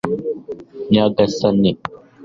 nyagasani